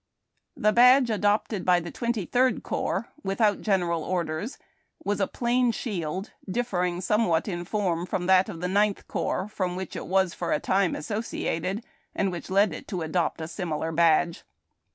The badge adopted by the Twenty Third Corps (without General Orders) was a plain shield, differing somewhat in form from that of the Ninth Corps, with which it was for a time associated, and which led it to adopt a similar badge.